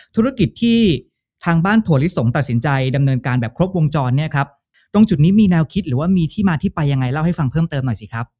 ธุรกิจที่ทางบ้านถั่วลิสงตัดสินใจดำเนินการแบบครบวงจรเนี่ยครับตรงจุดนี้มีแนวคิดหรือว่ามีที่มาที่ไปยังไงเล่าให้ฟังเพิ่มเติมหน่อยสิครับ